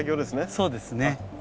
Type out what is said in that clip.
そうですね。